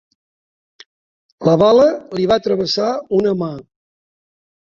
La bala li va travessar una mà.